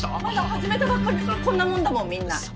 まだ始めたばっかりだからこんなもんだもんみんな。